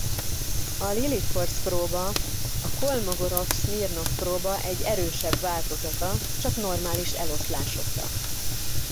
A Lilliefors-próba a Kolmogorov–Szmirnov-próba egy erősebb változata csak normális eloszlásokra.